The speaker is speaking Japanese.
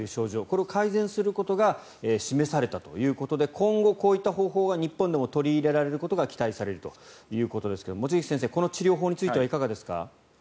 これを改善することが示されたということで今後、こういった方法が日本でも取り入れられることが期待されるということですが望月先生、この治療法についてはいかがですか？